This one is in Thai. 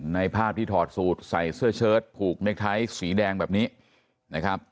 ภาพที่ถอดสูตรใส่เสื้อเชิดผูกเน็กไทท์สีแดงแบบนี้นะครับ